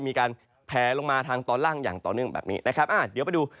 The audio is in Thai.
มีการแพลลงมาทางตอนล่างอย่างต่อเนื่องแบบนี้นะครับ